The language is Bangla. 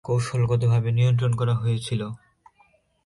যা কৌশলগতভাবে নিয়ন্ত্রণ করা হয়েছিল।